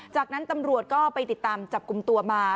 จากนั้นตำรวจก็ไปติดตามจับกลุ่มตัวมา